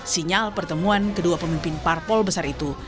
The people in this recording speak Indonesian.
sinyal pertemuan kedua pemimpin parpol besar itu